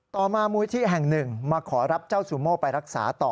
มามูลที่แห่งหนึ่งมาขอรับเจ้าซูโม่ไปรักษาต่อ